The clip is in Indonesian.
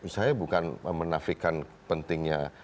saya bukan menafikan pentingnya